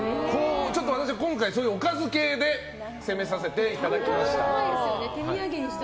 私は今回おかず系で攻めさせていただきました。